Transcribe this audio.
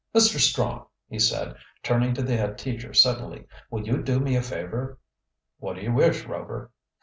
"Mr. Strong," he said, turning to the head teacher suddenly, "will you do me a favor?" "What do you wish, Rover?"